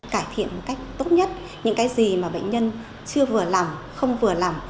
cải thiện cách tốt nhất những cái gì mà bệnh nhân chưa vừa làm không vừa làm